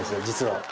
実は。